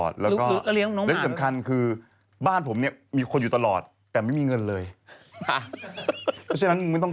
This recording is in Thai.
เดี๊วจะไม่ยอมแบบนี้ไม่ต้อง